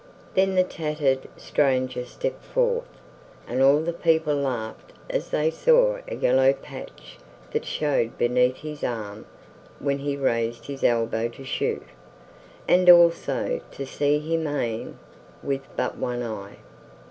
Then the tattered stranger stepped forth, and all the people laughed as they saw a yellow patch that showed beneath his arm when he raised his elbow to shoot, and also to see him aim with but one eye.